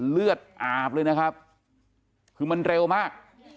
เลือดอาบเลยนะครับคือมันเร็วมาก